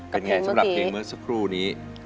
เป็นไงสำหรับเพลงเมื่อสักครู่นี้